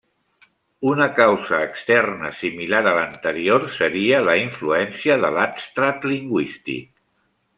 Una causa externa similar a l'anterior seria la influència de l'adstrat lingüístic.